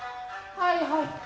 はいはい。